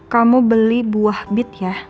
kamu beli buah bit ya